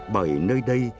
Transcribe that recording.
bởi nơi đây